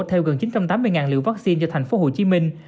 theo gần chín trăm tám mươi liều vaccine cho thành phố hồ chí minh